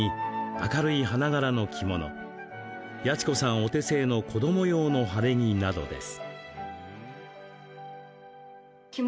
お手製の子ども用の晴れ着などです。